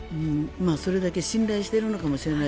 それだけ信頼しているのかもしれない。